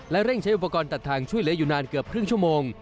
เร่งใช้อุปกรณ์ตัดทางช่วยเหลืออยู่นานเกือบครึ่งชั่วโมง